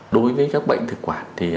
đối với các bệnh thực quản thì